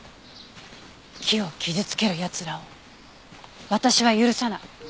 木を傷つける奴らを私は許さない。